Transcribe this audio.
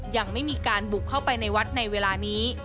ยังไม่มีการบุกเข้าไปในวัดในเวลานี้